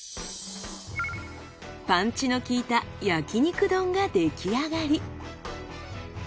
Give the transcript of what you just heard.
パンチのきいた焼肉丼が出来上がり。